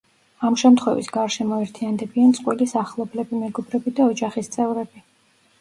ამ შემთხვევის გარშემო ერთიანდებიან წყვილის ახლობლები, მეგობრები და ოჯახის წევრები.